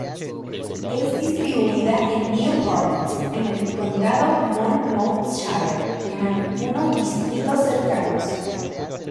Es distribuida en Newport, en el condado Monmouthshire y en algunos distritos cercanos.